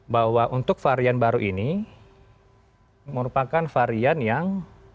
bahwa untuk varian baru ini merupakan varian yang